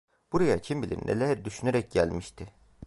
Buraya kim bilir neler düşünerek gelmişti?